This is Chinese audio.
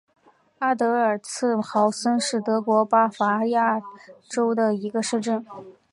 阿德尔茨豪森是德国巴伐利亚州的一个市镇。